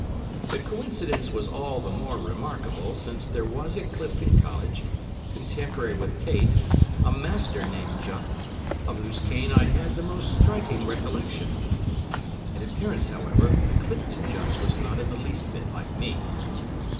The coincidence was all the more remarkable since there was at Clifton College, contemporary with Tait, a master named Jupp, of whose cane I had the most striking recollection. In appearance, however, the Clifton Jupp was not in the least bit like me.